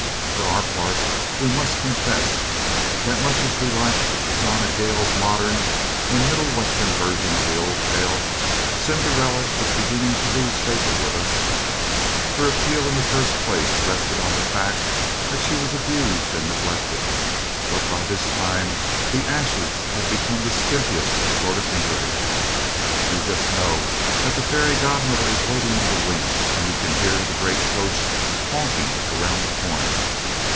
For our part, we must confess that much as we like Zona Gale's modern and middle western version of the old tale, Cinderella is beginning to lose favor with us. Her appeal in the first place rested on the fact that she was abused and neglected, but by this time the ashes have become the skimpiest sort of interlude. You just know that the fairy godmother is waiting in the wings, and you can hear the great coach honking around the corner.